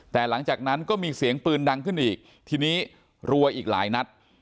แต่หลังจากนั้นก็มีเสียงปืนดังขึ้นอีกทีนี้รัวอีกหลายนัด